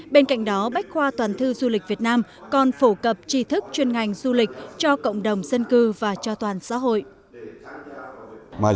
bên cạnh đó bách khoa toàn thư du lịch việt nam còn phổ cập trí thức chuyên ngành du lịch cho cộng đồng dân cư và cho toàn xã hội